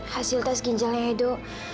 hasil tes ginjalnya edo